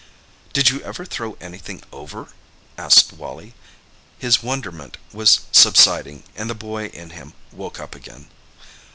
"Did you ever throw anything over?" asked Wally. His wonderment was subsiding and the boy in him woke up again.